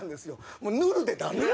もう「ヌル」でダメよ。